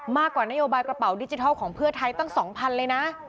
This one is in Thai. มากกว่านโยบายกระเป๋าดิจิทัลของเพื่อไทยตั้ง๒๐๐๐เลยนะ